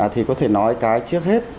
thì có thể nói cái trước hết